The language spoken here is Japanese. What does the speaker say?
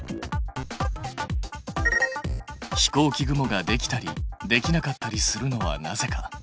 飛行機雲ができたりできなかったりするのはなぜか？